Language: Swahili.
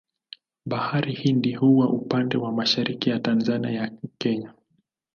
Bahari Hindi huwa upande mwa mashariki ya Tanzania na Kenya.